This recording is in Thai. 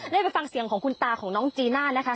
ได้ไปฟังเสียงของคุณตาของน้องจีน่านะคะ